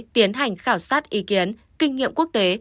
tiến hành khảo sát ý kiến kinh nghiệm quốc tế